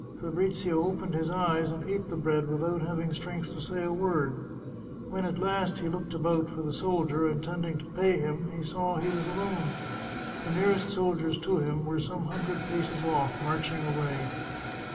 Fabrizio opened his eyes, and ate the bread without having strength to say a word ; when at last he looked about for the soldier, intending to pay him, he saw he was alone. The nearest soldiers to him were some hundred paces off, marching away.